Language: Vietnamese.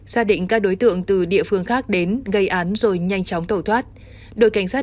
xác định các đối tượng từ địa phương khác đến gây án rồi nhanh chóng tẩu thoát đội cảnh sát